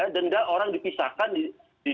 denda orang dipisahkan di denda itu